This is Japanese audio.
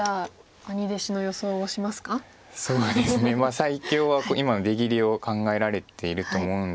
最強は今出切りを考えられていると思うんですが。